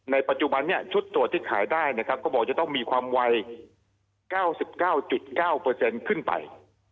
ในปัจจุบันชุดตรวจที่ขายได้ก็บอกจะต้องมีความวัย๙๙๙ขึ้นไป